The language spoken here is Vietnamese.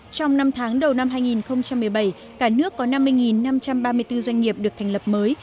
trong năm tháng đầu năm hai nghìn một mươi bảy cả nước có năm mươi năm trăm ba mươi bốn doanh nghiệp được thành lập mới